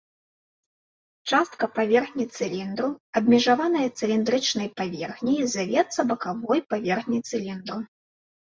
Частка паверхні цыліндру, абмежаваная цыліндрычнай паверхняй завецца бакавой паверхняй цыліндру.